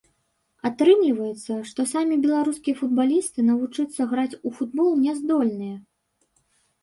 Атрымліваецца, што самі беларускія футбалісты навучыцца граць у футбол не здольныя.